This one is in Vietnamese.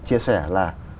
chia sẻ là